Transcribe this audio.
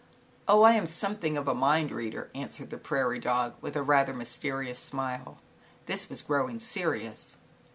"Oh, I am something of a mind reader," answered the prairie dog, with a rather mysterious smile, This was growing serious.